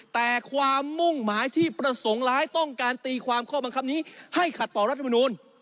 แต่ความมุ่งหมายที่ประสงค์ร้ายต้องการตีความข้อบังคับนี้ให้ขัดต่อรัฐมนูล